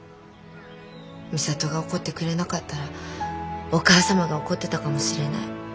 美里が怒ってくれなかったらお母様が怒ってたかもしれない。